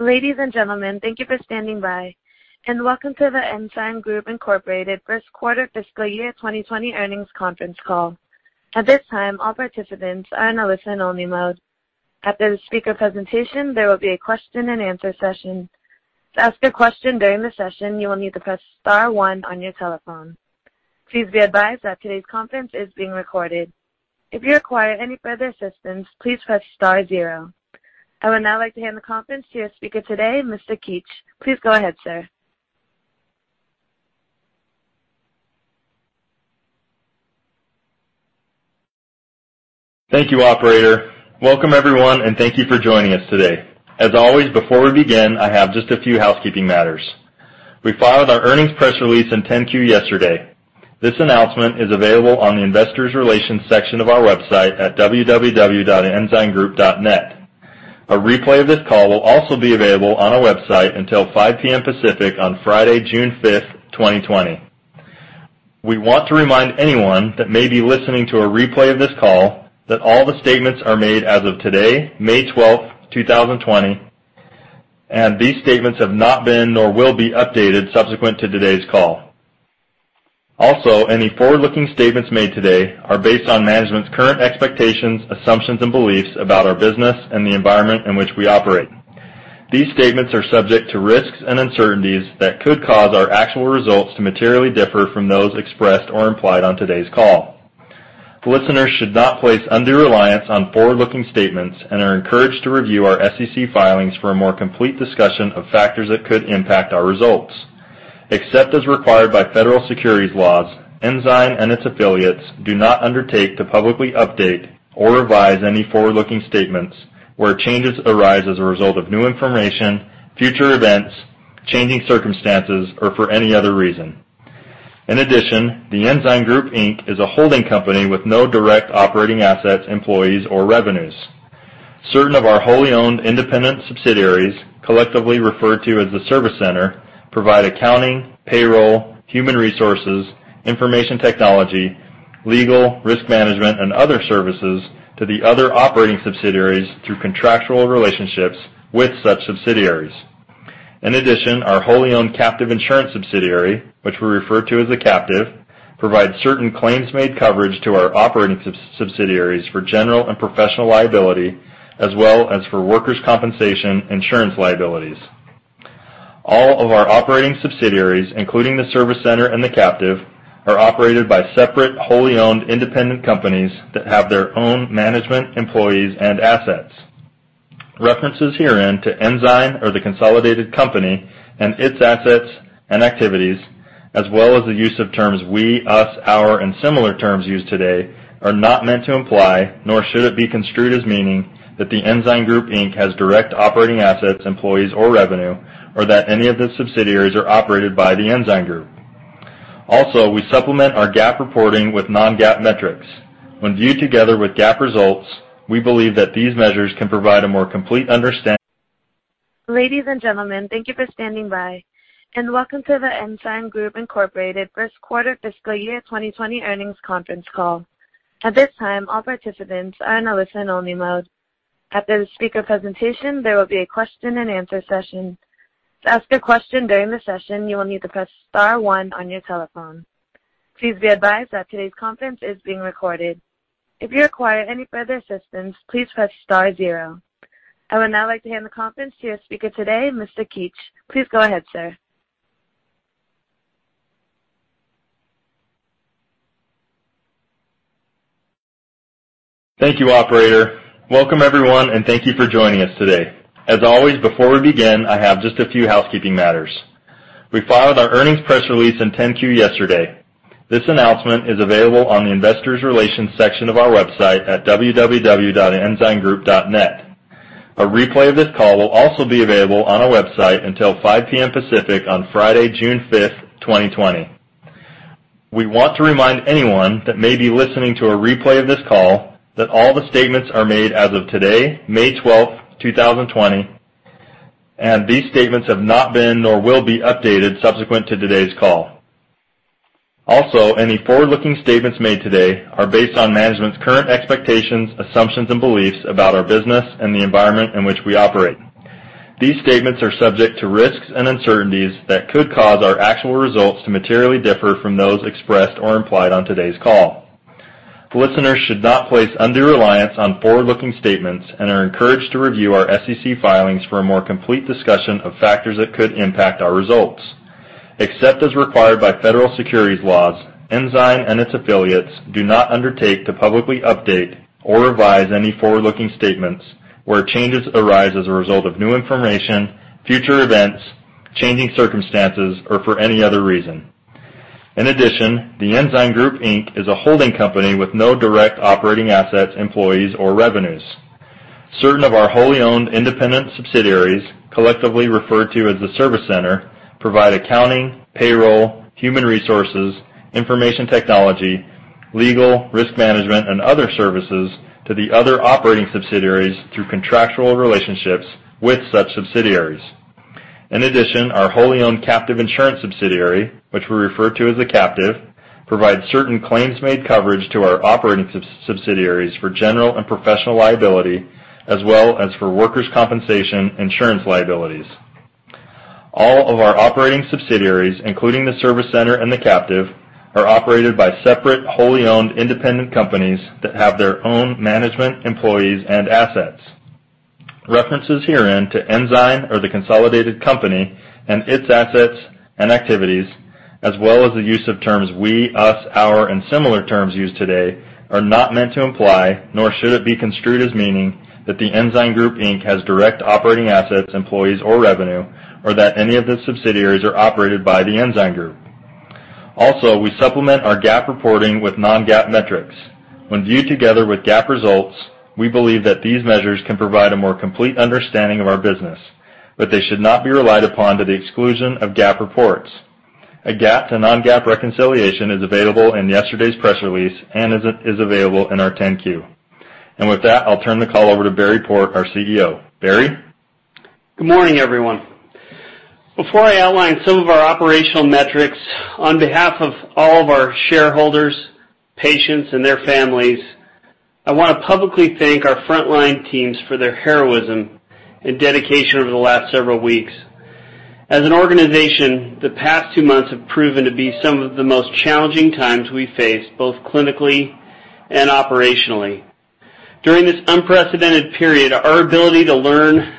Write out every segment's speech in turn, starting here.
Ladies and gentlemen, thank you for standing by, and welcome to The Ensign Group, Incorporated First Quarter Fiscal Year 2020 Earnings Conference Call. At this time, all participants are in a listen-only mode. After the speaker presentation, there will be a question-and-answer session. To ask a question during the session, you will need to press star one on your telephone. Please be advised that today's conference is being recorded. If you require any further assistance, please press star zero. I would now like to hand the conference to your speaker today, Mr. Keetch. Please go ahead, sir. Thank you, operator. Welcome everyone, and thank you for joining us today. As always, before we begin, I have just a few housekeeping matters. We filed our earnings press release and 10-Q yesterday. This announcement is available on the investor relations section of our website at www.ensigngroup.net. A replay of this call will also be available on our website until 5:00 P.M. Pacific on Friday, June 5th, 2020. We want to remind anyone that may be listening to a replay of this call that all the statements are made as of today, May 12th, 2020, and these statements have not been nor will be updated subsequent to today's call. Any forward-looking statements made today are based on management's current expectations, assumptions, and beliefs about our business and the environment in which we operate. These statements are subject to risks and uncertainties that could cause our actual results to materially differ from those expressed or implied on today's call. Listeners should not place undue reliance on forward-looking statements and are encouraged to review our SEC filings for a more complete discussion of factors that could impact our results. Except as required by federal securities laws, Ensign and its affiliates do not undertake to publicly update or revise any forward-looking statements where changes arise as a result of new information, future events, changing circumstances, or for any other reason. In addition, The Ensign Group Inc. is a holding company with no direct operating assets, employees, or revenues. Certain of our wholly owned independent subsidiaries, collectively referred to as the service center, provide accounting, payroll, human resources, information technology, legal, risk management, and other services to the other operating subsidiaries through contractual relationships with such subsidiaries. In addition, our wholly owned captive insurance subsidiary, which we refer to as the Captive, provides certain claims-made coverage to our operating subsidiaries for general and professional liability, as well as for workers' compensation insurance liabilities. All of our operating subsidiaries, including the service center and the Captive, are operated by separate, wholly owned independent companies that have their own management, employees, and assets. References herein to Ensign or the consolidated company and its assets and activities, as well as the use of terms we, us, our, and similar terms used today are not meant to imply, nor should it be construed as meaning, that The Ensign Group, Inc. has direct operating assets, employees, or revenue, or that any of the subsidiaries are operated by The Ensign Group. Also, we supplement our GAAP reporting with non-GAAP metrics. When viewed together with GAAP results, we believe that these measures can provide a more complete understanding of our business, but they should not be relied upon to the exclusion of GAAP reports. A GAAP to non-GAAP reconciliation is available in yesterday's press release and is available in our 10-Q. With that, I'll turn the call over to Barry Port, our CEO. Barry? Good morning, everyone. Before I outline some of our operational metrics, on behalf of all of our shareholders, patients, and their families, I want to publicly thank our frontline teams for their heroism and dedication over the last several weeks. As an organization, the past two months have proven to be some of the most challenging times we face, both clinically and operationally. During this unprecedented period, our ability to learn,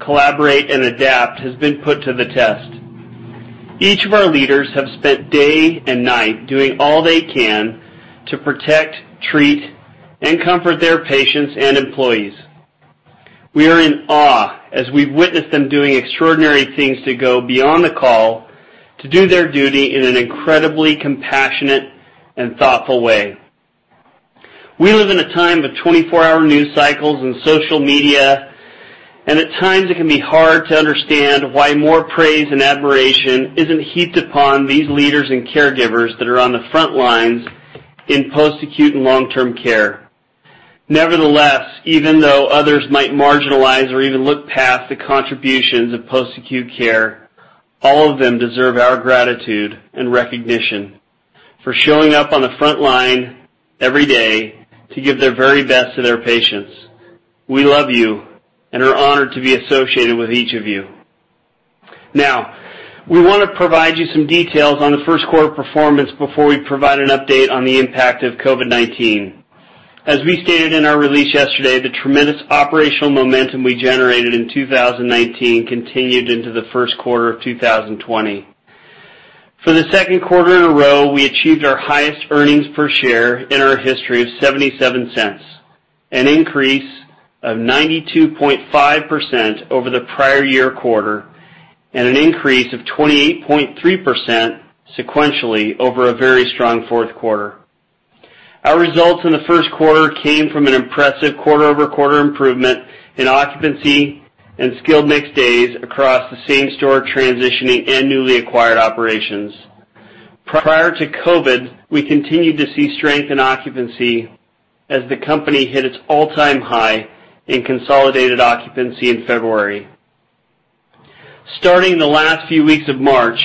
collaborate, and adapt has been put to the test. Each of our leaders have spent day and night doing all they can to protect, treat, and comfort their patients and employees. We are in awe as we've witnessed them doing extraordinary things to go beyond the call to do their duty in an incredibly compassionate and thoughtful way. We live in a time of 24-hour news cycles and social media, and at times it can be hard to understand why more praise and admiration isn't heaped upon these leaders and caregivers that are on the front lines in post-acute and long-term care. Nevertheless, even though others might marginalize or even look past the contributions of post-acute care, all of them deserve our gratitude and recognition for showing up on the front line every day to give their very best to their patients. We love you and are honored to be associated with each of you. Now, we want to provide you some details on the first quarter performance before we provide an update on the impact of COVID-19. As we stated in our release yesterday, the tremendous operational momentum we generated in 2019 continued into the first quarter of 2020. For the second quarter in a row, we achieved our highest earnings per share in our history of $0.77, an increase of 92.5% over the prior year quarter and an increase of 28.3% sequentially over a very strong fourth quarter. Our results in the first quarter came from an impressive quarter-over-quarter improvement in occupancy and skilled mix days across the same-store transitioning and newly acquired operations. Prior to COVID-19, we continued to see strength in occupancy as the company hit its all-time high in consolidated occupancy in February. Starting the last few weeks of March,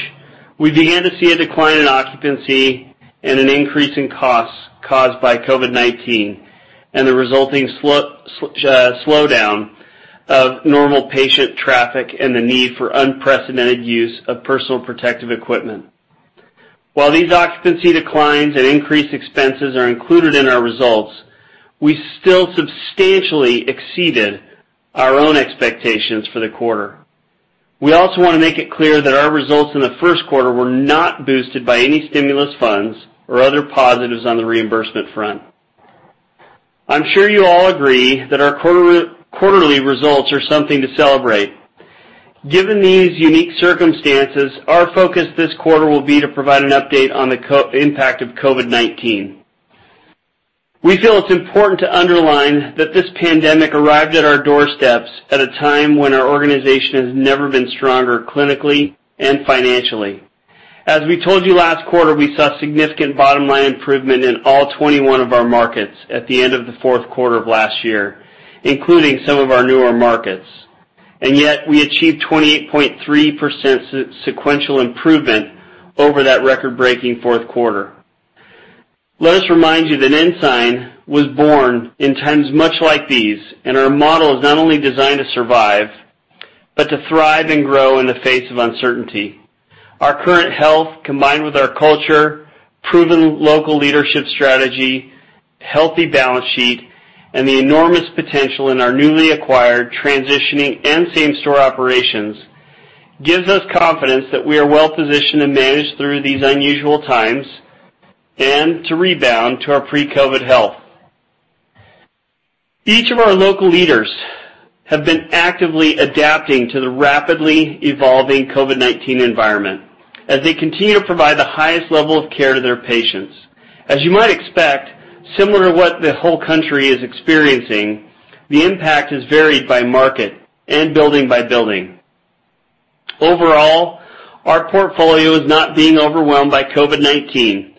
we began to see a decline in occupancy and an increase in costs caused by COVID-19 and the resulting slowdown of normal patient traffic and the need for unprecedented use of personal protective equipment. While these occupancy declines and increased expenses are included in our results, we still substantially exceeded our own expectations for the quarter. We also want to make it clear that our results in the first quarter were not boosted by any stimulus funds or other positives on the reimbursement front. I'm sure you all agree that our quarterly results are something to celebrate. Given these unique circumstances, our focus this quarter will be to provide an update on the impact of COVID-19. We feel it's important to underline that this pandemic arrived at our doorsteps at a time when our organization has never been stronger, clinically and financially. As we told you last quarter, we saw significant bottom-line improvement in all 21 of our markets at the end of the fourth quarter of last year, including some of our newer markets. Yet we achieved 28.3% sequential improvement over that record-breaking fourth quarter. Let us remind you that Ensign was born in times much like these, and our model is not only designed to survive but to thrive and grow in the face of uncertainty. Our current health, combined with our culture, proven local leadership strategy, healthy balance sheet, and the enormous potential in our newly acquired transitioning and same-store operations gives us confidence that we are well positioned to manage through these unusual times and to rebound to our pre-COVID health. Each of our local leaders have been actively adapting to the rapidly evolving COVID-19 environment as they continue to provide the highest level of care to their patients. As you might expect, similar to what the whole country is experiencing, the impact is varied by market and building by building. Overall, our portfolio is not being overwhelmed by COVID-19.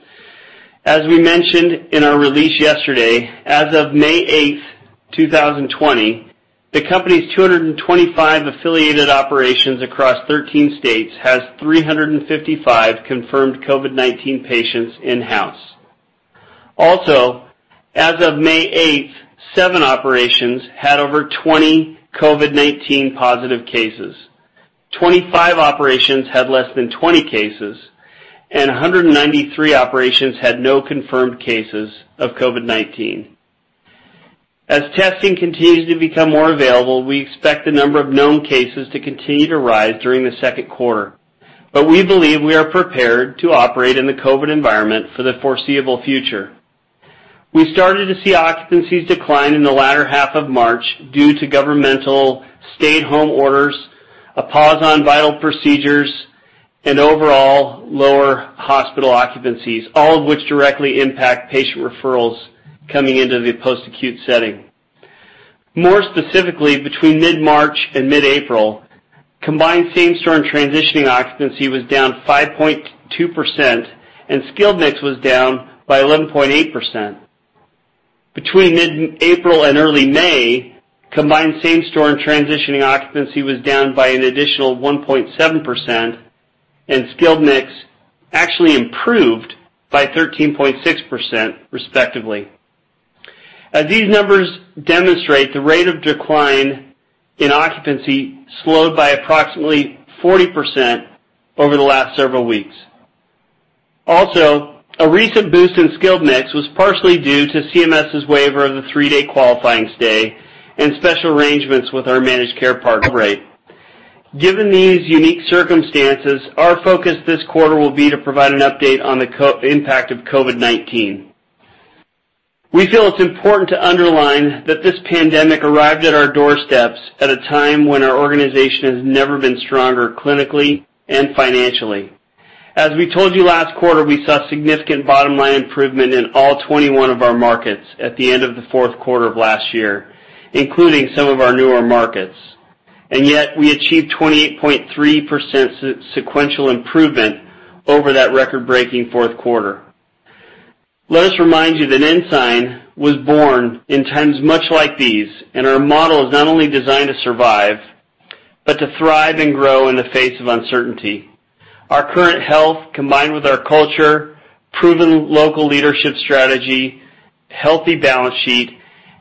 As we mentioned in our release yesterday, as of May 8th, 2020, the company's 225 affiliated operations across 13 states has 355 confirmed COVID-19 patients in-house. Also, as of May 8th, seven operations had over 20 COVID-19 positive cases, 25 operations had less than 20 cases, and 193 operations had no confirmed cases of COVID-19. As testing continues to become more available, we expect the number of known cases to continue to rise during the second quarter, but we believe we are prepared to operate in the COVID environment for the foreseeable future. We started to see occupancies decline in the latter half of March due to governmental stay-at-home orders, a pause on vital procedures, and overall lower hospital occupancies, all of which directly impact patient referrals coming into the post-acute setting. More specifically, between mid-March and mid-April, combined same-store and transitioning occupancy was down 5.2%, and skilled mix was down by 11.8%. Between mid-April and early May, combined same-store and transitioning occupancy was down by an additional 1.7%, and skilled mix actually improved by 13.6%, respectively. As these numbers demonstrate, the rate of decline in occupancy slowed by approximately 40% over the last several weeks. Also, a recent boost in skilled mix was partially due to CMS's waiver of the three-day qualifying stay and special arrangements with our managed care partners. Given these unique circumstances, our focus this quarter will be to provide an update on the impact of COVID-19. We feel it's important to underline that this pandemic arrived at our doorsteps at a time when our organization has never been stronger, clinically and financially. As we told you last quarter, we saw significant bottom-line improvement in all 21 of our markets at the end of the fourth quarter of last year, including some of our newer markets. Yet we achieved 28.3% sequential improvement over that record-breaking fourth quarter. Let us remind you that Ensign was born in times much like these, and our model is not only designed to survive, but to thrive and grow in the face of uncertainty. Our current health, combined with our culture, proven local leadership strategy, healthy balance sheet,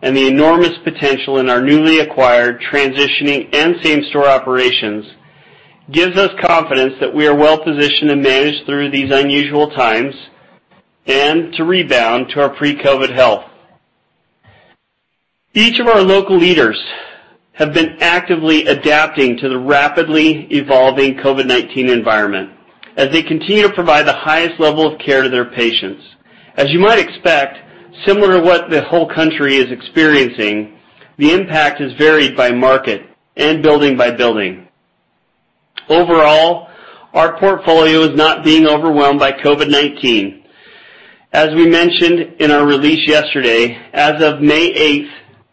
and the enormous potential in our newly acquired transitioning and same-store operations, gives us confidence that we are well-positioned to manage through these unusual times and to rebound to our pre-COVID health. Each of our local leaders have been actively adapting to the rapidly evolving COVID-19 environment as they continue to provide the highest level of care to their patients. As you might expect, similar to what the whole country is experiencing, the impact is varied by market and building by building. Overall, our portfolio is not being overwhelmed by COVID-19. As we mentioned in our release yesterday, as of May 8th,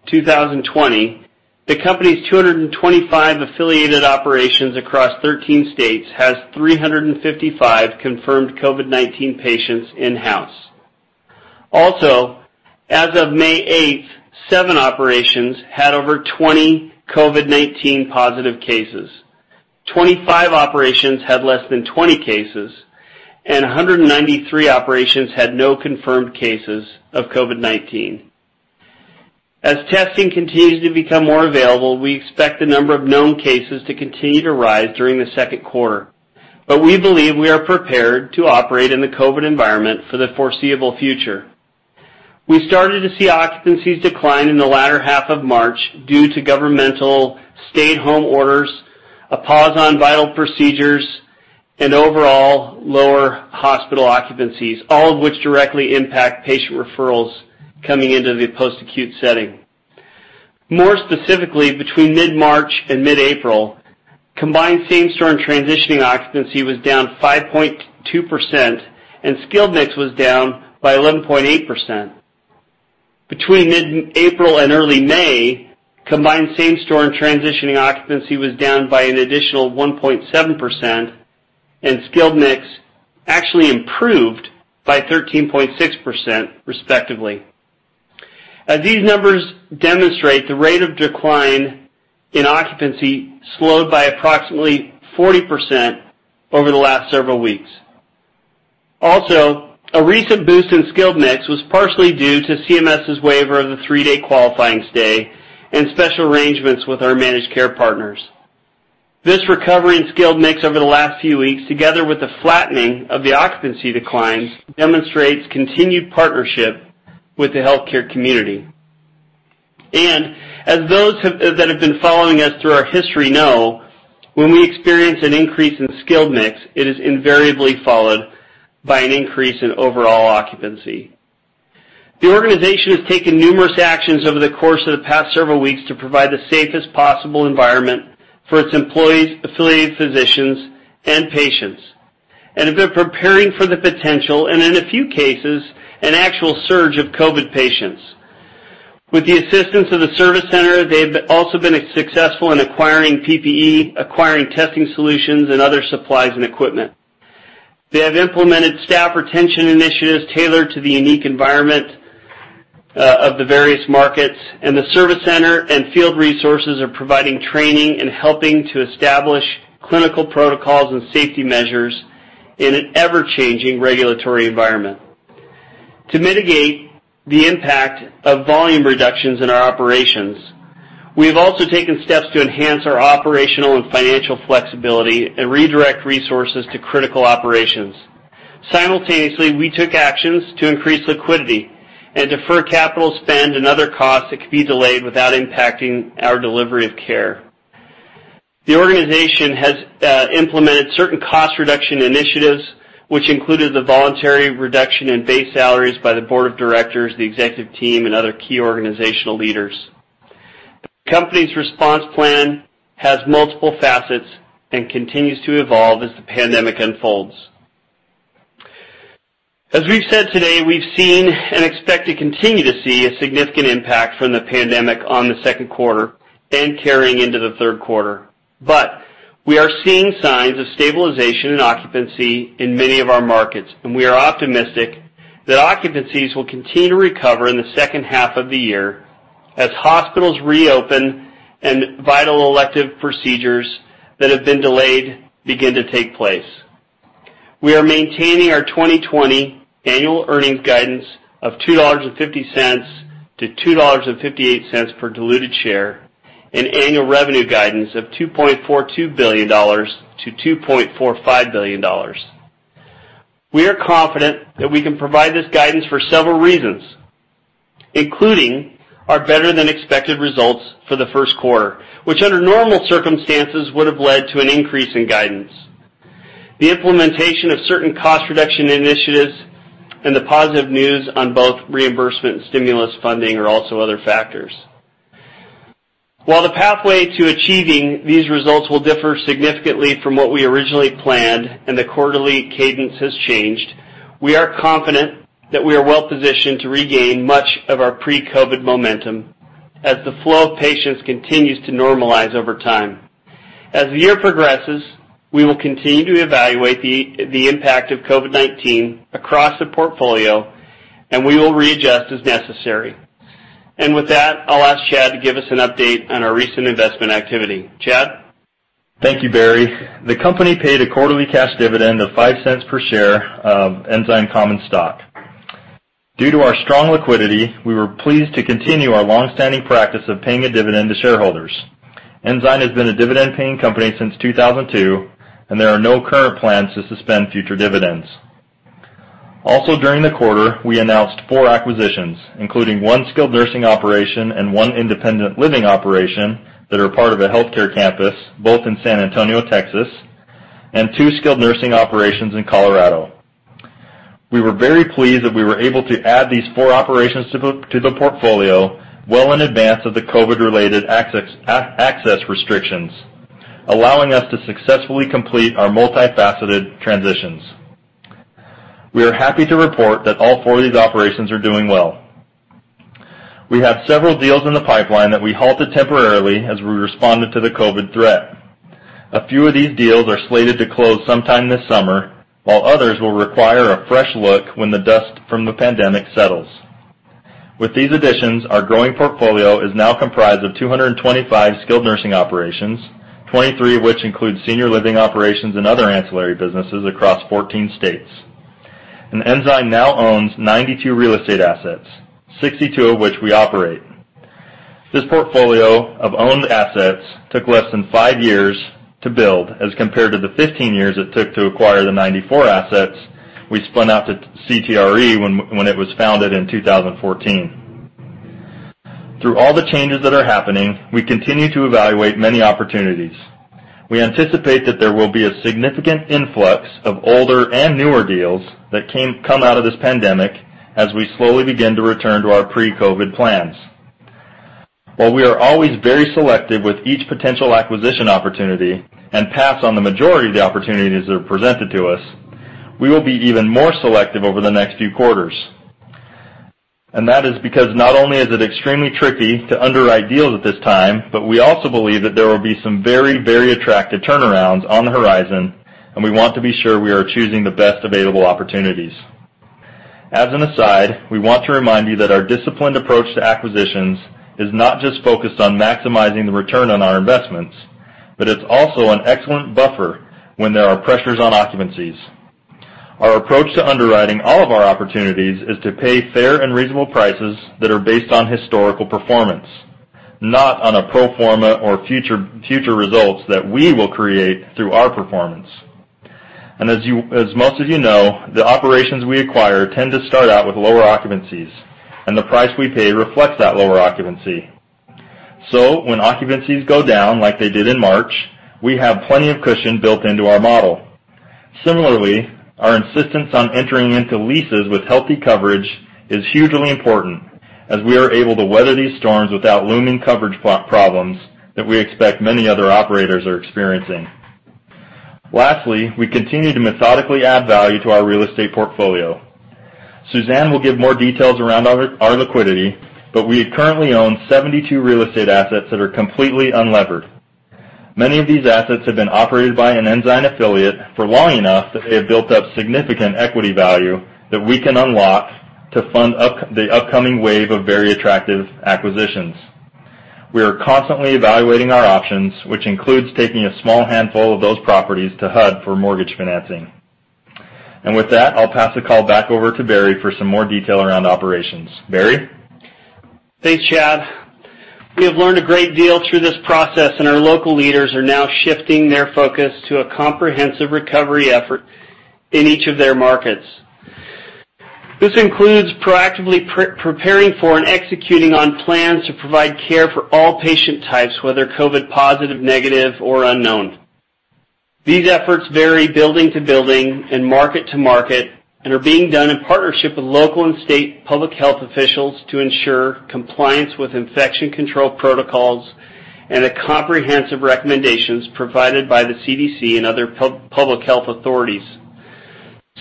2020, the company's 225 affiliated operations across 13 states has 355 confirmed COVID-19 patients in-house. Also, as of May 8th, seven operations had over 20 COVID-19 positive cases, 25 operations had less than 20 cases, and 193 operations had no confirmed cases of COVID-19. As testing continues to become more available, we expect the number of known cases to continue to rise during the second quarter. We believe we are prepared to operate in the COVID environment for the foreseeable future. We started to see occupancies decline in the latter half of March due to governmental stay-at-home orders, a pause on vital procedures, and overall lower hospital occupancies, all of which directly impact patient referrals coming into the post-acute setting. More specifically, between mid-March and mid-April, combined same-store and transitioning occupancy was down 5.2%, and skilled mix was down by 11.8%. Between mid-April and early May, combined same-store and transitioning occupancy was down by an additional 1.7%, and skilled mix actually improved by 13.6% respectively. As these numbers demonstrate, the rate of decline in occupancy slowed by approximately 40% over the last several weeks. A recent boost in skilled mix was partially due to CMS's waiver of the three-day qualifying stay and special arrangements with our managed care partners. This recovery in skilled mix over the last few weeks, together with the flattening of the occupancy declines, demonstrates continued partnership with the healthcare community. As those that have been following us through our history know, when we experience an increase in skilled mix, it is invariably followed by an increase in overall occupancy. The organization has taken numerous actions over the course of the past several weeks to provide the safest possible environment for its employees, affiliated physicians, and patients, and have been preparing for the potential, and in a few cases, an actual surge of COVID patients. With the assistance of the service center, they've also been successful in acquiring PPE, acquiring testing solutions, and other supplies and equipment. They have implemented staff retention initiatives tailored to the unique environment of the various markets, and the service center and field resources are providing training and helping to establish clinical protocols and safety measures in an ever-changing regulatory environment. To mitigate the impact of volume reductions in our operations, we have also taken steps to enhance our operational and financial flexibility and redirect resources to critical operations. Simultaneously, we took actions to increase liquidity and defer capital spend and other costs that could be delayed without impacting our delivery of care. The organization has implemented certain cost reduction initiatives, which included the voluntary reduction in base salaries by the board of directors, the executive team, and other key organizational leaders. The company's response plan has multiple facets and continues to evolve as the pandemic unfolds. As we've said today, we've seen and expect to continue to see a significant impact from the pandemic on the second quarter and carrying into the third quarter. We are seeing signs of stabilization and occupancy in many of our markets, and we are optimistic that occupancies will continue to recover in the second half of the year as hospitals reopen and vital elective procedures that have been delayed begin to take place. We are maintaining our 2020 annual earnings guidance of $2.50-$2.58 per diluted share and annual revenue guidance of $2.42 billion-$2.45 billion. We are confident that we can provide this guidance for several reasons, including our better-than-expected results for the first quarter, which under normal circumstances would have led to an increase in guidance. The implementation of certain cost reduction initiatives and the positive news on both reimbursement and stimulus funding are also other factors. While the pathway to achieving these results will differ significantly from what we originally planned and the quarterly cadence has changed, we are confident that we are well-positioned to regain much of our pre-COVID momentum as the flow of patients continues to normalize over time. As the year progresses, we will continue to evaluate the impact of COVID-19 across the portfolio, and we will readjust as necessary. With that, I'll ask Chad to give us an update on our recent investment activity. Chad? Thank you, Barry. The company paid a quarterly cash dividend of $0.05 per share of Ensign common stock. Due to our strong liquidity, we were pleased to continue our long-standing practice of paying a dividend to shareholders. Ensign has been a dividend-paying company since 2002, and there are no current plans to suspend future dividends. During the quarter, we announced four acquisitions, including one skilled nursing operation and one independent living operation that are part of a healthcare campus, both in San Antonio, Texas, and two skilled nursing operations in Colorado. We were very pleased that we were able to add these four operations to the portfolio well in advance of the COVID related access restrictions, allowing us to successfully complete our multifaceted transitions. We are happy to report that all four of these operations are doing well. We have several deals in the pipeline that we halted temporarily as we responded to the COVID threat. A few of these deals are slated to close sometime this summer, while others will require a fresh look when the dust from the pandemic settles. With these additions, our growing portfolio is now comprised of 225 skilled nursing operations, 23 of which include senior living operations and other ancillary businesses across 14 states. Ensign now owns 92 real estate assets, 62 of which we operate. This portfolio of owned assets took less than five years to build, as compared to the 15 years it took to acquire the 94 assets we spun out to CTRE when it was founded in 2014. Through all the changes that are happening, we continue to evaluate many opportunities. We anticipate that there will be a significant influx of older and newer deals that come out of this pandemic as we slowly begin to return to our pre-COVID plans. While we are always very selective with each potential acquisition opportunity and pass on the majority of the opportunities that are presented to us, we will be even more selective over the next few quarters. That is because not only is it extremely tricky to underwrite deals at this time, but we also believe that there will be some very attractive turnarounds on the horizon, and we want to be sure we are choosing the best available opportunities. As an aside, we want to remind you that our disciplined approach to acquisitions is not just focused on maximizing the return on our investments, but it's also an excellent buffer when there are pressures on occupancies. Our approach to underwriting all of our opportunities is to pay fair and reasonable prices that are based on historical performance, not on a pro forma or future results that we will create through our performance. As most of you know, the operations we acquire tend to start out with lower occupancies, and the price we pay reflects that lower occupancy. When occupancies go down like they did in March, we have plenty of cushion built into our model. Similarly, our insistence on entering into leases with healthy coverage is hugely important, as we are able to weather these storms without looming coverage problems that we expect many other operators are experiencing. Lastly, we continue to methodically add value to our real estate portfolio. Suzanne will give more details around our liquidity, but we currently own 72 real estate assets that are completely unlevered. Many of these assets have been operated by an Ensign affiliate for long enough that they have built up significant equity value that we can unlock to fund the upcoming wave of very attractive acquisitions. We are constantly evaluating our options, which includes taking a small handful of those properties to HUD for mortgage financing. With that, I'll pass the call back over to Barry for some more detail around operations. Barry? Thanks, Chad. We have learned a great deal through this process, and our local leaders are now shifting their focus to a comprehensive recovery effort in each of their markets. This includes proactively preparing for and executing on plans to provide care for all patient types, whether COVID-positive, negative, or unknown. These efforts vary building to building and market to market and are being done in partnership with local and state public health officials to ensure compliance with infection control protocols and a comprehensive recommendations provided by the CDC and other public health authorities.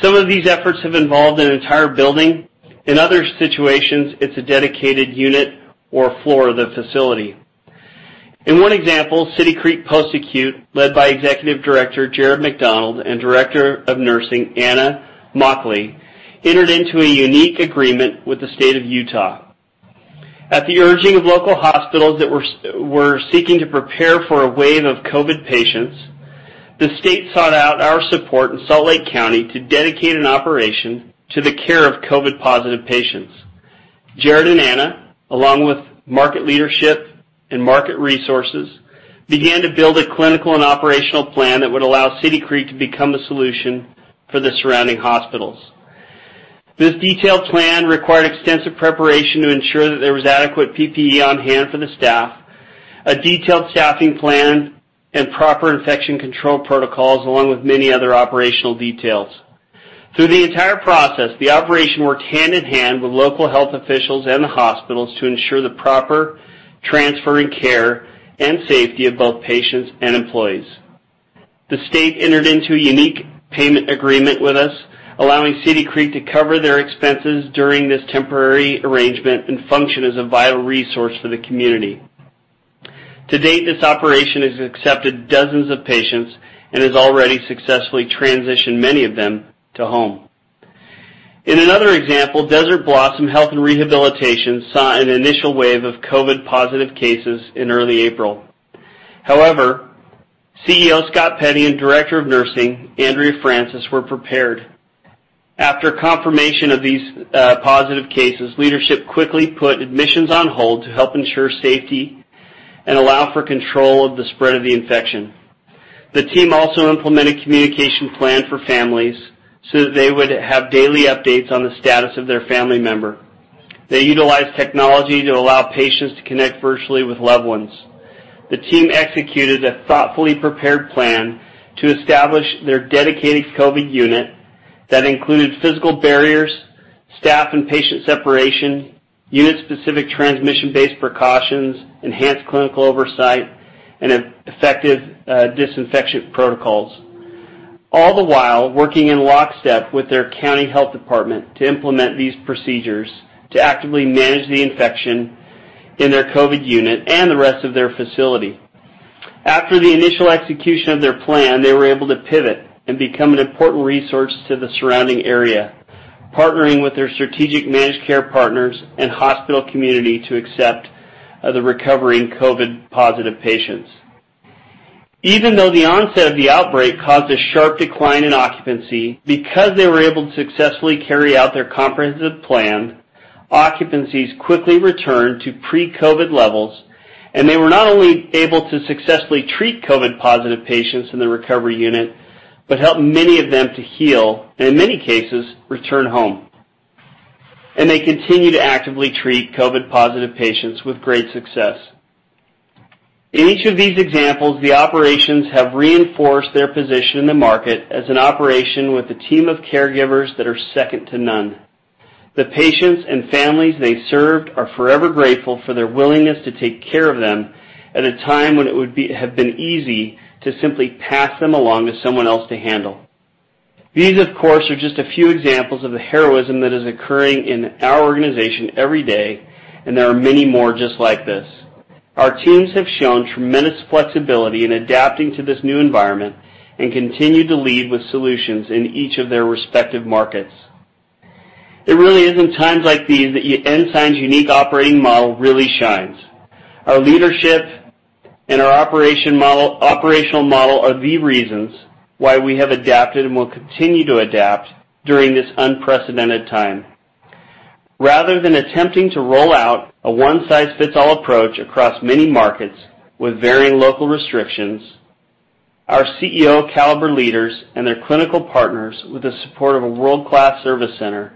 Some of these efforts have involved an entire building. In other situations, it's a dedicated unit or floor of the facility. In one example, City Creek Post Acute, led by Executive Director Jared McDonald and Director of Nursing Anna Moakley, entered into a unique agreement with the state of Utah. At the urging of local hospitals that were seeking to prepare for a wave of COVID patients, the state sought out our support in Salt Lake County to dedicate an operation to the care of COVID-positive patients. Jared and Anna, along with market leadership and market resources, began to build a clinical and operational plan that would allow City Creek to become the solution for the surrounding hospitals. This detailed plan required extensive preparation to ensure that there was adequate PPE on hand for the staff, a detailed staffing plan, and proper infection control protocols, along with many other operational details. Through the entire process, the operation worked hand-in-hand with local health officials and the hospitals to ensure the proper transfer and care and safety of both patients and employees. The state entered into a unique payment agreement with us, allowing City Creek to cover their expenses during this temporary arrangement and function as a vital resource for the community. To date, this operation has accepted dozens of patients and has already successfully transitioned many of them to home. In another example, Desert Blossom Health and Rehabilitation saw an initial wave of COVID positive cases in early April. However, CEO Scott Petty and Director of Nursing Andrea Francis were prepared. After confirmation of these positive cases, leadership quickly put admissions on hold to help ensure safety and allow for control of the spread of the infection. The team also implemented a communication plan for families so that they would have daily updates on the status of their family member. They utilized technology to allow patients to connect virtually with loved ones. The team executed a thoughtfully prepared plan to establish their dedicated COVID unit that included physical barriers, staff and patient separation, unit-specific transmission-based precautions, enhanced clinical oversight, and effective disinfection protocols. All the while, working in lockstep with their county health department to implement these procedures to actively manage the infection in their COVID unit and the rest of their facility. After the initial execution of their plan, they were able to pivot and become an important resource to the surrounding area, partnering with their strategic managed care partners and hospital community to accept the recovering COVID positive patients. Even though the onset of the outbreak caused a sharp decline in occupancy, because they were able to successfully carry out their comprehensive plan, occupancies quickly returned to pre-COVID levels, they were not only able to successfully treat COVID positive patients in the recovery unit, but help many of them to heal and in many cases, return home. They continue to actively treat COVID positive patients with great success. In each of these examples, the operations have reinforced their position in the market as an operation with a team of caregivers that are second to none. The patients and families they served are forever grateful for their willingness to take care of them at a time when it would have been easy to simply pass them along to someone else to handle. These, of course, are just a few examples of the heroism that is occurring in our organization every day, and there are many more just like this. Our teams have shown tremendous flexibility in adapting to this new environment and continue to lead with solutions in each of their respective markets. It really is in times like these that Ensign's unique operating model really shines. Our leadership and our operational model are the reasons why we have adapted and will continue to adapt during this unprecedented time. Rather than attempting to roll out a one-size-fits-all approach across many markets with varying local restrictions, our CEO caliber leaders and their clinical partners, with the support of a world-class service center,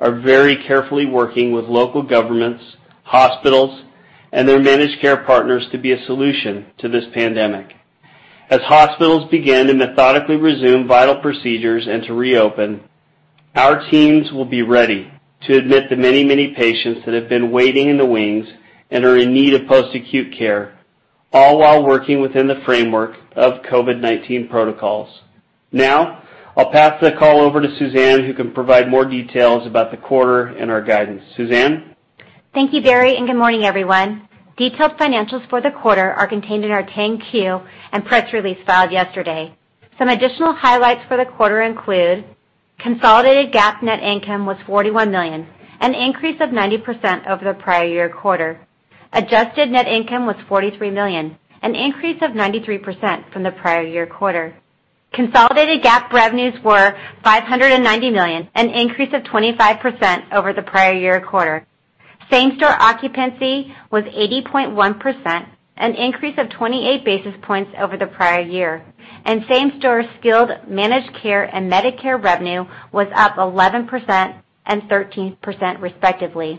are very carefully working with local governments, hospitals, and their managed care partners to be a solution to this pandemic. As hospitals begin to methodically resume vital procedures and to reopen, our teams will be ready to admit the many patients that have been waiting in the wings and are in need of post-acute care, all while working within the framework of COVID-19 protocols. Now, I'll pass the call over to Suzanne, who can provide more details about the quarter and our guidance. Suzanne? Thank you, Barry. Good morning, everyone. Detailed financials for the quarter are contained in our 10-Q and press release filed yesterday. Some additional highlights for the quarter include consolidated GAAP net income was $41 million, an increase of 90% over the prior year quarter. Adjusted net income was $43 million, an increase of 93% from the prior year quarter. Consolidated GAAP revenues were $590 million, an increase of 25% over the prior year quarter. Same-store occupancy was 80.1%, an increase of 28 basis points over the prior year. Same-store skilled managed care and Medicare revenue was up 11% and 13% respectively.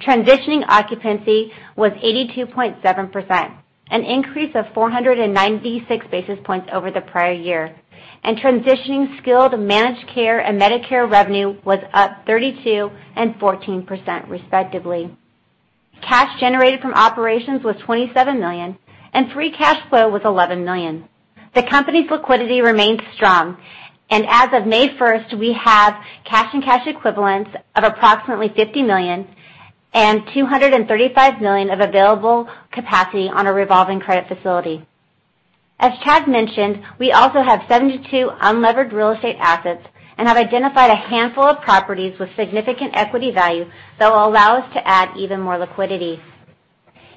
Transitioning occupancy was 82.7%, an increase of 496 basis points over the prior year. Transitioning skilled managed care and Medicare revenue was up 32% and 14% respectively. Cash generated from operations was $27 million, and free cash flow was $11 million. The company's liquidity remains strong. As of May 1st, we have cash and cash equivalents of approximately $50 million and $235 million of available capacity on a revolving credit facility. As Chad mentioned, we also have 72 unlevered real estate assets and have identified a handful of properties with significant equity value that will allow us to add even more liquidity.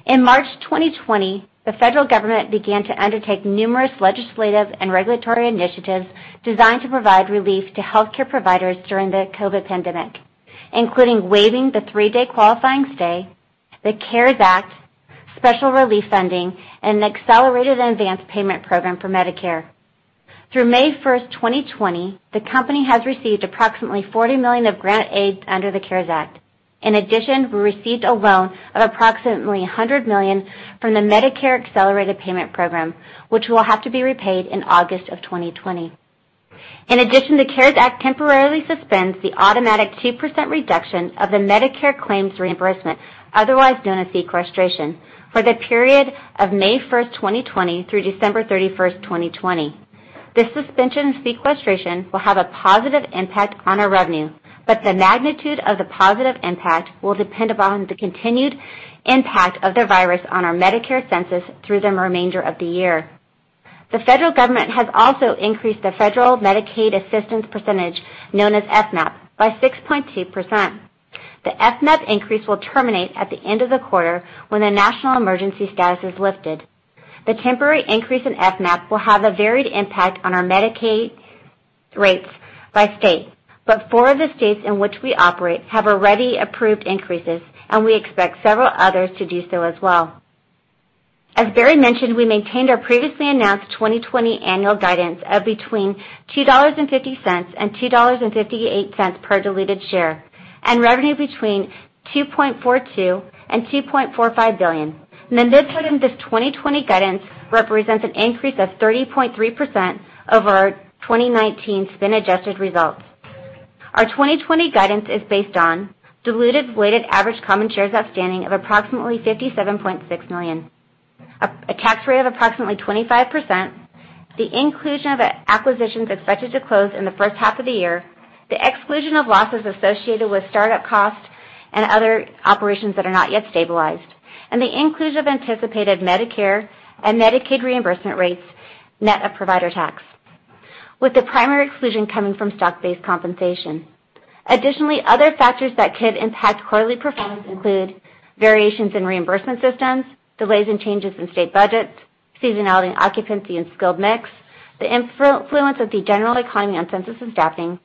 In March 2020, the federal government began to undertake numerous legislative and regulatory initiatives designed to provide relief to healthcare providers during the COVID-19 pandemic, including waiving the three-day qualifying stay, the CARES Act, special relief funding, and an accelerated advance payment program for Medicare. Through May 1st, 2020, the company has received approximately $40 million of grant aid under the CARES Act. We received a loan of approximately $100 million from the Medicare Accelerated Payment Program, which will have to be repaid in August of 2020. The CARES Act temporarily suspends the automatic 2% reduction of the Medicare claims reimbursement, otherwise known as sequestration, for the period of May 1st, 2020 through December 31st, 2020. The suspension of sequestration will have a positive impact on our revenue, but the magnitude of the positive impact will depend upon the continued impact of the virus on our Medicare census through the remainder of the year. The federal government has also increased the Federal Medical Assistance Percentage, known as FMAP, by 6.2%. The FMAP increase will terminate at the end of the quarter when the national emergency status is lifted. The temporary increase in FMAP will have a varied impact on our Medicaid rates by state, but four of the states in which we operate have already approved increases, and we expect several others to do so as well. As Barry mentioned, we maintained our previously announced 2020 annual guidance of between $2.50 and $2.58 per diluted share, and revenue between $2.42 and $2.45 billion. The midpoint of this 2020 guidance represents an increase of 30.3% over our 2019 spin-adjusted results. Our 2020 guidance is based on diluted weighted average common shares outstanding of approximately 57.6 million. A tax rate of approximately 25%, the inclusion of acquisitions expected to close in the first half of the year, the exclusion of losses associated with startup costs and other operations that are not yet stabilized, and the inclusion of anticipated Medicare and Medicaid reimbursement rates, net of provider tax, with the primary exclusion coming from stock-based compensation. Additionally, other factors that could impact quarterly performance include variations in reimbursement systems, delays and changes in state budgets, seasonality and occupancy in skilled mix, the influence of the general economy on census adapting,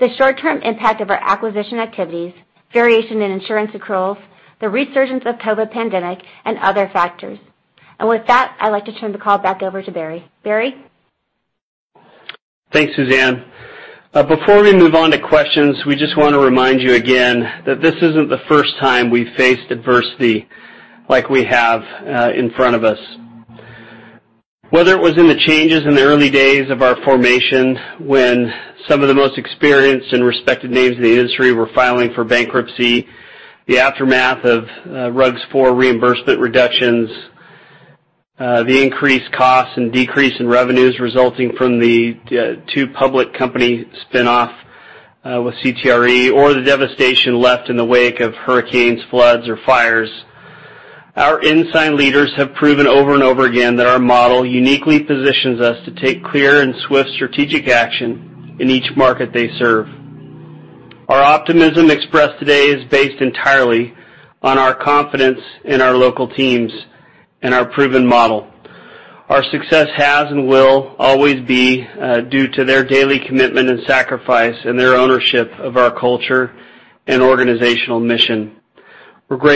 the short-term impact of our acquisition activities, variation in insurance accruals, the resurgence of COVID-19 pandemic, and other factors. With that, I'd like to turn the call back over to Barry. Barry? Thanks, Suzanne. Before we move on to questions, we just want to remind you again that this isn't the first time we've faced adversity like we have in front of us. Whether it was in the changes in the early days of our formation, when some of the most experienced and respected names in the industry were filing for bankruptcy, the aftermath of RUGs for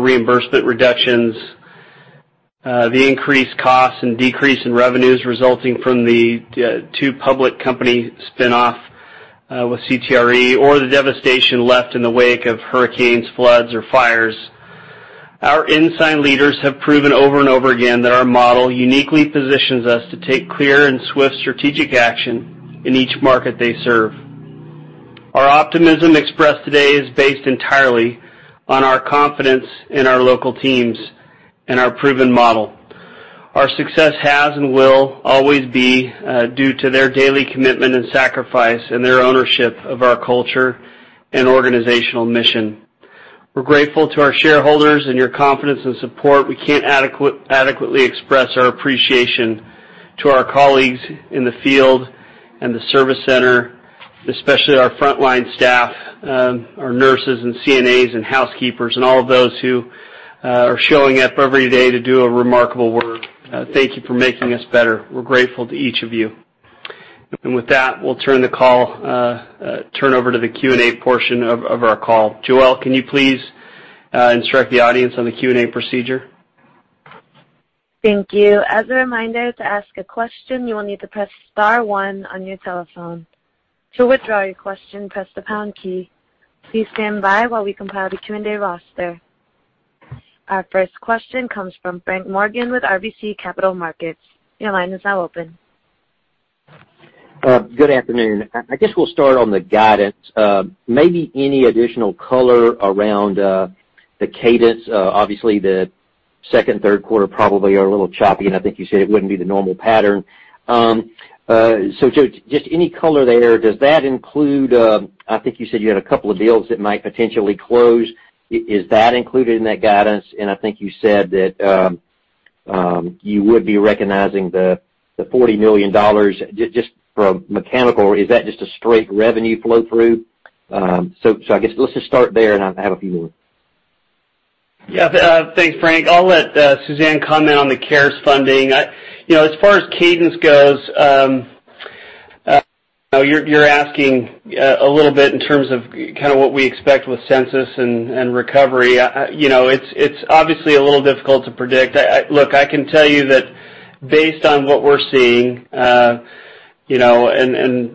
reimbursement reductions. The increased costs and decrease in revenues resulting from the two public company spinoff with CTRE or the devastation left in the wake of hurricanes, floods, or fires. Our Ensign leaders have proven over and over again that our model uniquely positions us to take clear and swift strategic action in each market they serve. Our optimism expressed today is based entirely on our confidence in our local teams and our proven model. Our success has and will always be due to their daily commitment and sacrifice and their ownership of our culture and organizational mission. We're grateful to our shareholders and your confidence and support. We can't adequately express our appreciation to our colleagues in the field and the service center, especially our frontline staff, our nurses and CNAs and housekeepers, and all of those who are showing up every day to do a remarkable work. Thank you for making us better. We're grateful to each of you. With that, we'll turn over to the Q&A portion of our call. Joelle, can you please instruct the audience on the Q&A procedure? Thank you. As a reminder, to ask a question, you will need to press star one on your telephone. To withdraw your question, press the pound key. Please stand by while we compile the Q&A roster. Our first question comes from Frank Morgan with RBC Capital Markets. Your line is now open. Good afternoon. I guess we'll start on the guidance. Maybe any additional color around the cadence. Obviously, the second, third quarter probably are a little choppy, and I think you said it wouldn't be the normal pattern. So, just any color there, does that include, I think you said, you had a couple of deals that might potentially close? Is that included in that guidance? I think you said that you would be recognizing the $40 million. Just from mechanical, is that just a straight revenue flow-through? I guess let's just start there, and I have a few more. Yeah. Thanks, Frank. I'll let Suzanne comment on the CARES funding. As far as cadence goes, you're asking a little bit in terms of what we expect with census and recovery. It's obviously a little difficult to predict. Look, I can tell you that based on what we're seeing, and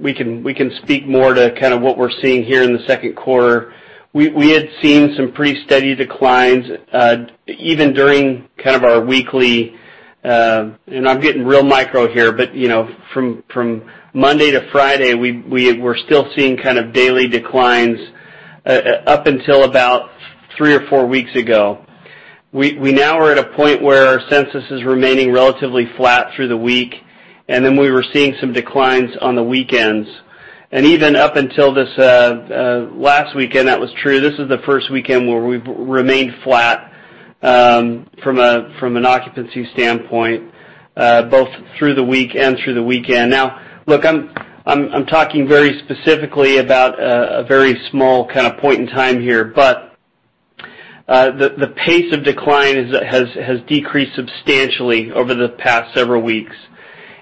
we can speak more to what we're seeing here in the second quarter, we had seen some pretty steady declines, even during our weekly, and I'm getting real micro here, but from Monday to Friday, we were still seeing daily declines up until about three or four weeks ago. We now are at a point where our census is remaining relatively flat through the week, and then we were seeing some declines on the weekends. Even up until this last weekend, that was true. This is the first weekend where we've remained flat, from an occupancy standpoint, both through the week and through the weekend. Now, look, I'm talking very specifically about a very small point in time here, but the pace of decline has decreased substantially over the past several weeks.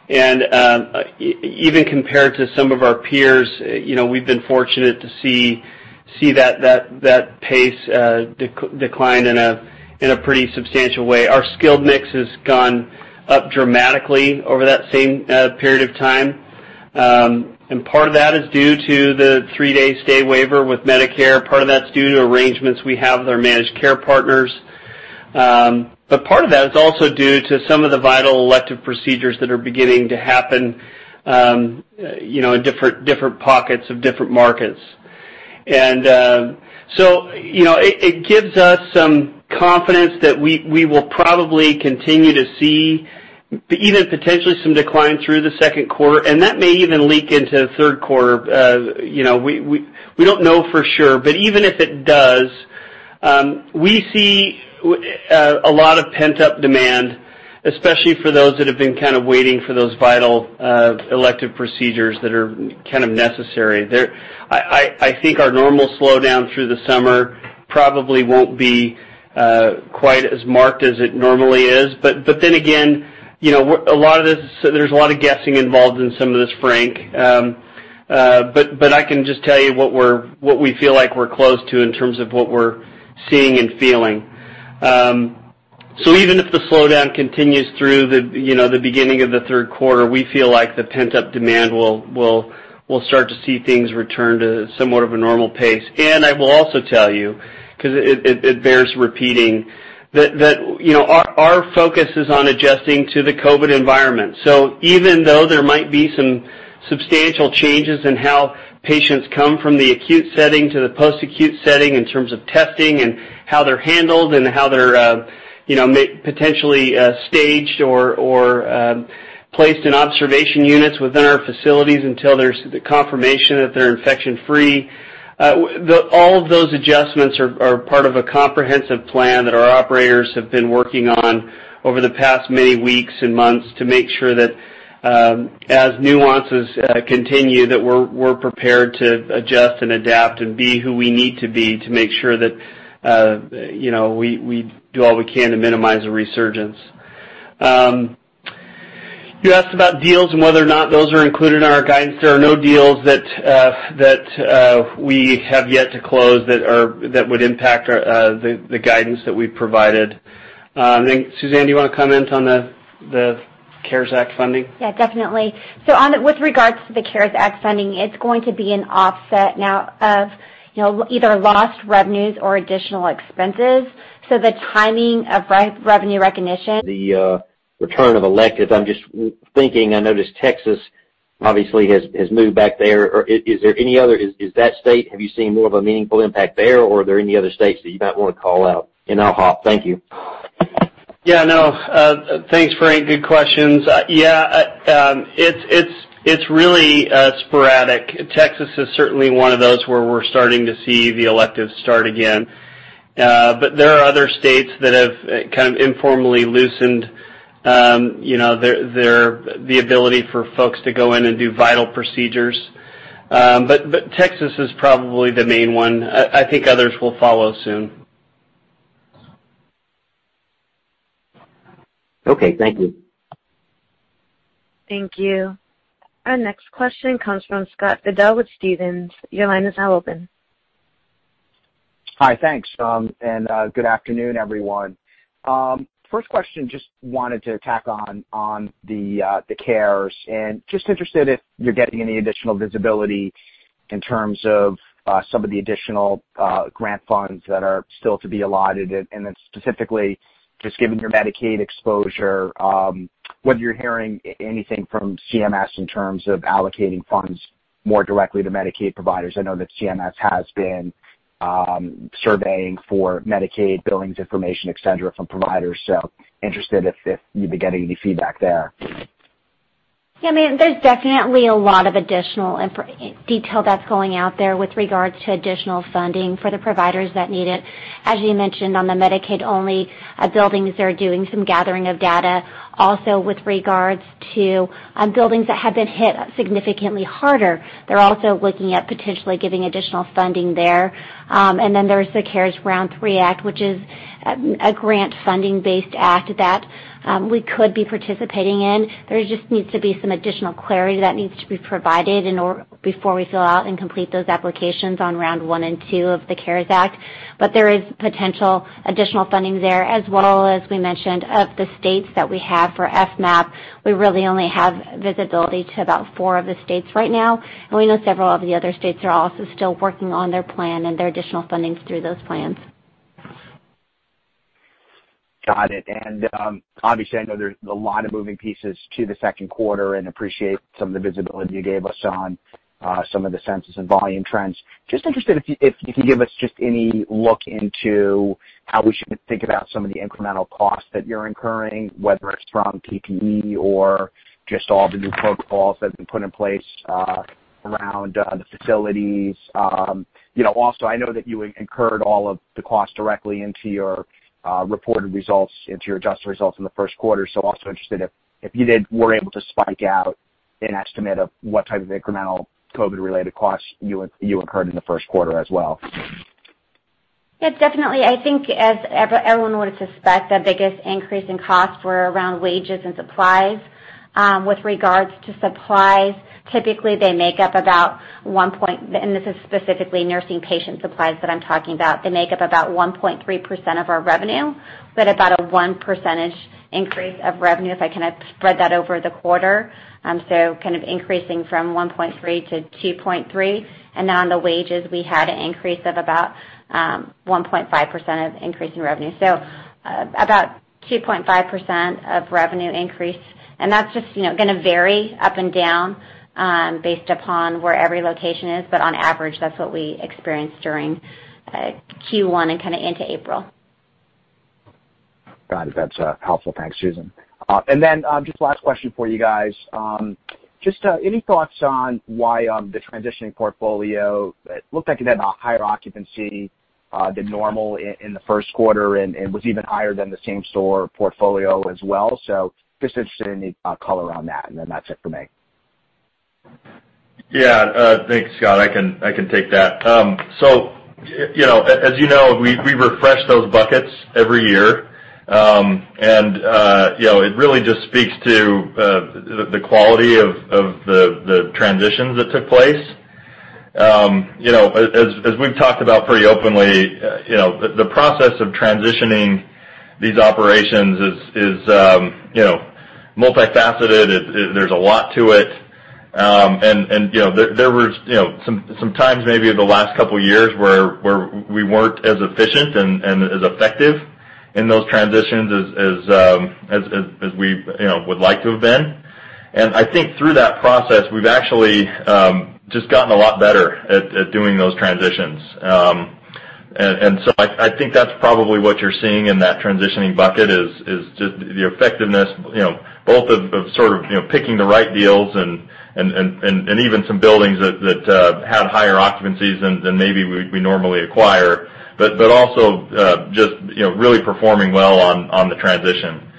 Even compared to some of our peers, we've been fortunate to see that pace decline in a pretty substantial way. Our skilled mix has gone up dramatically over that same period of time. Part of that is due to the three-day stay waiver with Medicare. Part of that's due to arrangements we have with our managed care partners. Part of that is also due to some of the vital elective procedures that are beginning to happen in different pockets of different markets. It gives us some confidence that we will probably continue to see even potentially some decline through the second quarter, and that may even leak into the third quarter. We don't know for sure, but even if it does, we see a lot of pent-up demand, especially for those that have been waiting for those vital elective procedures that are necessary. I think our normal slowdown through the summer probably won't be quite as marked as it normally is. Then again, there's a lot of guessing involved in some of this, Frank. I can just tell you what we feel like we're close to in terms of what we're seeing and feeling. Even if the slowdown continues through the beginning of the third quarter, we feel like the pent-up demand will start to see things return to somewhat of a normal pace. I will also tell you, because it bears repeating, that our focus is on adjusting to the COVID environment. Even though there might be some substantial changes in how patients come from the acute setting to the post-acute setting in terms of testing and how they're handled and how they're potentially staged or placed in observation units within our facilities until there's confirmation that they're infection-free. All of those adjustments are part of a comprehensive plan that our operators have been working on over the past many weeks and months to make sure that, as nuances continue, that we're prepared to adjust and adapt and be who we need to be to make sure that we do all we can to minimize a resurgence. You asked about deals and whether or not those are included in our guidance. There are no deals that we have yet to close that would impact the guidance that we've provided. Suzanne, do you want to comment on the CARES Act funding? Yeah, definitely. With regards to the CARES Act funding, it's going to be an offset now of either lost revenues or additional expenses. The timing of revenue recognition- The return of electives. I'm just thinking, I noticed Texas obviously has moved back there. Is that state, have you seen more of a meaningful impact there, or are there any other states that you might want to call out and I'll hop? Thank you. Yeah. No. Thanks, Frank. Good questions. Yeah. It's really sporadic. Texas is certainly one of those where we're starting to see the electives start again. There are other states that have kind of informally loosened the ability for folks to go in and do vital procedures. Texas is probably the main one. I think others will follow soon. Okay. Thank you. Thank you. Our next question comes from Scott Fidel with Stephens. Your line is now open. Hi. Thanks. Good afternoon, everyone. First question, just wanted to tack on the CARES, and just interested if you're getting any additional visibility in terms of some of the additional grant funds that are still to be allotted, and then specifically, just given your Medicaid exposure, whether you're hearing anything from CMS in terms of allocating funds more directly to Medicaid providers. I know that CMS has been surveying for Medicaid billings information, et cetera, from providers. Interested if you'd be getting any feedback there. Yeah, there's definitely a lot of additional detail that's going out there with regards to additional funding for the providers that need it. As you mentioned, on the Medicaid-only buildings, they're doing some gathering of data. Also with regards to buildings that have been hit significantly harder, they're also looking at potentially giving additional funding there. There's the CARES Round 3 Act, which is a grant funding-based act that we could be participating in. There just needs to be some additional clarity that needs to be provided before we fill out and complete those applications on Round 1 and 2 of the CARES Act. There is potential additional funding there. As well as we mentioned, of the states that we have for FMAP, we really only have visibility to about four of the states right now, and we know several of the other states are also still working on their plan and their additional fundings through those plans. Got it. Obviously, I know there's a lot of moving pieces to the second quarter and appreciate some of the visibility you gave us on some of the census and volume trends. Just interested if you could give us just any look into how we should think about some of the incremental costs that you're incurring, whether it's from PPE or just all the new protocols that have been put in place around the facilities. Also, I know that you incurred all of the costs directly into your reported results, into your adjusted results in the first quarter. Also interested if you were able to spike out an estimate of what type of incremental COVID-related costs you incurred in the first quarter as well. Yes, definitely. I think as everyone would suspect, the biggest increase in costs were around wages and supplies. With regards to supplies, typically they make up about, and this is specifically nursing patient supplies that I'm talking about. They make up about 1.3% of our revenue, but about a one percentage increase of revenue if I kind of spread that over the quarter. Kind of increasing from 1.3%-2.3%. On the wages, we had an increase of about 1.5% of increase in revenue. About 2.5% of revenue increase. That's just going to vary up and down based upon where every location is. On average, that's what we experienced during Q1 and kind of into April. Got it. That's helpful. Thanks, Suzanne. Just last question for you guys. Just any thoughts on why the transitioning portfolio, it looked like it had a higher occupancy than normal in the first quarter and was even higher than the same store portfolio as well. Just interested in any color on that's it for me. Thanks, Scott. I can take that. As you know, we refresh those buckets every year. It really just speaks to the quality of the transitions that took place. As we've talked about pretty openly, the process of transitioning these operations is multifaceted. There's a lot to it. There were some times maybe the last couple of years where we weren't as efficient and as effective In those transitions as we would like to have been. I think through that process, we've actually just gotten a lot better at doing those transitions. I think that's probably what you're seeing in that transitioning bucket is just the effectiveness, both of sort of picking the right deals and even some buildings that have higher occupancies than maybe we normally acquire, but also just really performing well on the transition.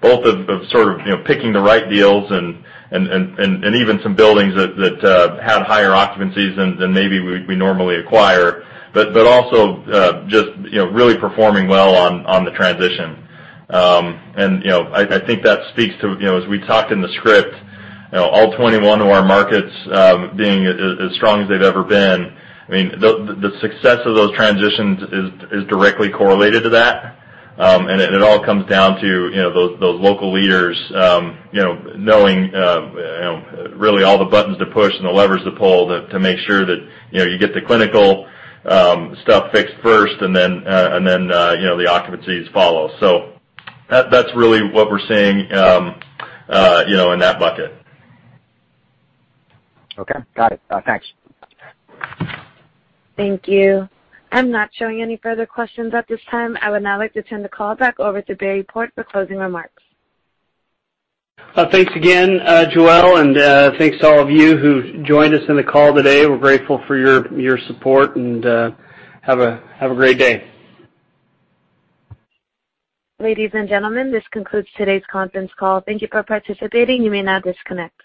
I think that speaks to, as we talked in the script, all 21 of our markets being as strong as they've ever been. I mean, the success of those transitions is directly correlated to that. It all comes down to those local leaders knowing really all the buttons to push and the levers to pull to make sure that you get the clinical stuff fixed first and then the occupancies follow. That's really what we're seeing in that bucket. Okay. Got it. Thanks. Thank you. I'm not showing any further questions at this time. I would now like to turn the call back over to Barry Port for closing remarks. Thanks again, Joelle, thanks to all of you who joined us on the call today. We're grateful for your support and have a great day. Ladies and gentlemen, this concludes today's conference call. Thank you for participating. You may now disconnect.